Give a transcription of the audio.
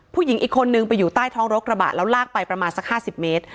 ผู้หญิงอีกคนนึงไปอยู่ใต้ท้องรถกระบะแล้วลากไปประมาณสัก๕๐เมตร